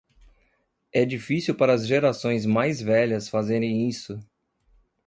É difícil para as gerações mais velhas fazerem isso